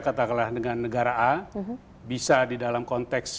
kalau diwaktu yang lalu hubungan indonesia dengan negara al bisa di dalam konteks politik